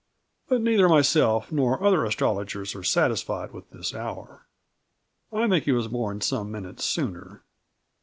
but neither myself, nor other Astrologers, are satisfied with this hour. I think he was born some minutes sooner.